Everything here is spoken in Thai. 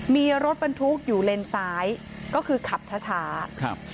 มีรถบรรทุกอยู่เลนซ้ายก็คือขับช้าช้าครับ